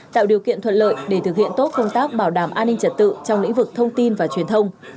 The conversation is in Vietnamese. tạo điều kiện thuận lợi để thực hiện tốt công tác bảo đảm an ninh trật tự trong lĩnh vực thông tin và truyền thông